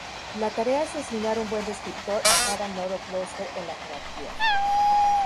La tarea es asignar un buen descriptor a cada nodo clúster en la jerarquía.